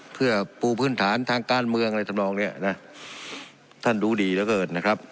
เพื่อปูพื้นฐานทางการเมืองอะไรทำนองเนี้ยนะท่านรู้ดีเหลือเกินนะครับ